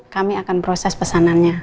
kami akan proses pesanannya